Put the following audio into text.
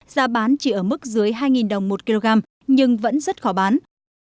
giá bán chỉ ở mức dưới hai đồng một kg nhưng vẫn rất khó bán